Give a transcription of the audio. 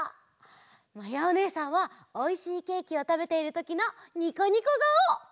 まやおねえさんはおいしいケーキをたべているときのニコニコがお！